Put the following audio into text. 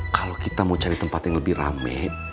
kalau kita mau cari tempat yang lebih rame